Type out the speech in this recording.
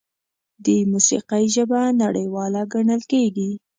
د موسیقۍ ژبه نړیواله ګڼل کېږي.